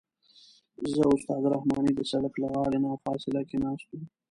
زه او استاد رحماني د سړک له غاړې نه فاصله کې ناست وو.